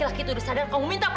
sudah itu seperti apa